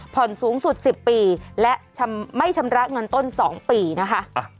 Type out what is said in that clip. สูงสุด๑๐ปีและไม่ชำระเงินต้น๒ปีนะคะ